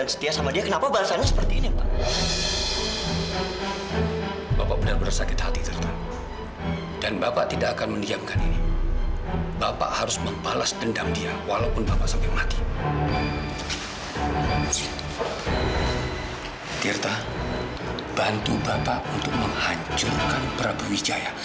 sampai jumpa di video selanjutnya